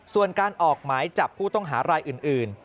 ส่วนการออกหมายจับผู้ต้องหารายอื่น